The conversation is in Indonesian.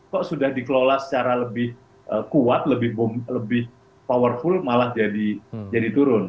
kok sudah dikelola secara lebih kuat lebih powerful malah jadi turun